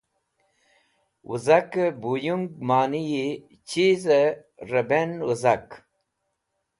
Wezake buyũng manyi chizẽ rẽ ben wẽzak